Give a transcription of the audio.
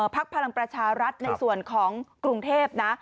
พลังประชารัฐในส่วนของกรุงเทพนะ